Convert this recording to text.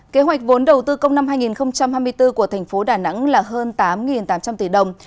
kế hoạch vốn đầu tư công năm hai nghìn hai mươi bốn của thành phố đà nẵng là hơn tám tám trăm linh tỷ đồng